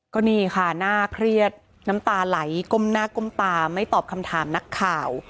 ก็นี่ค่ะน่าเครียดน้ำตาไหลก้มหน้าก้มตาไม่ตอบคำถามนักข่าว